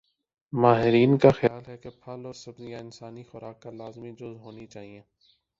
ماہرین کا خیال ہے کہ پھل اور سبزیاں انسانی خوراک کا لازمی جز ہونی چاہئیں